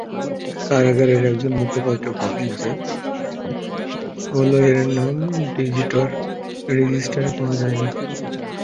কারাগারের একজন মুখপাত্র বলেন যে, হোলোয়ের নাম ভিজিটর রেজিস্টারে পাওয়া যায়নি।